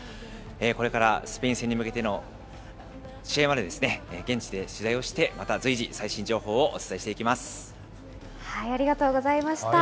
これからスペイン戦に向けての試合まで、現地で取材をして、また随時、最新情報をお伝えしていきありがとうございました。